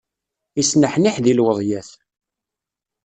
Isneḥniḥ deg lweḍyat.